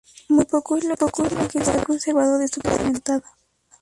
Muy poco es lo que se ha conservado de su producción documentada.